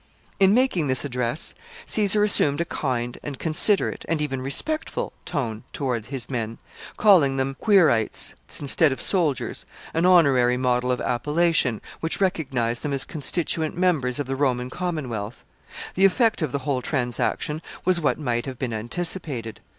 ] In making this address, Caesar assumed a kind and considerate, and even respectful tone toward his men, calling them Quirites instead of soldiers an honorary mode of appellation, which recognized them as constituent members of the Roman commonwealth. The effect of the whole transaction was what might have been anticipated.